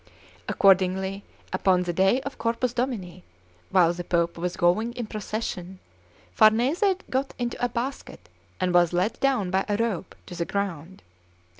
Accordingly, upon the day of Corpus Domini, while the Pope was going in procession, Farnese got into a basket and was let down by a rope to the ground.